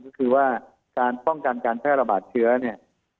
ก็คือว่าการป้องกันการแพร่ระบาดเชื้อเนี่ย